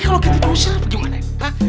kalo lo ketik rusia apa gimana ya